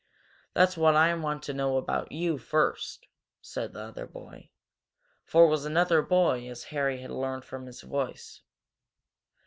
"That's what I want to know about you, first," said the other boy for it was another boy, as Harry learned from his voice.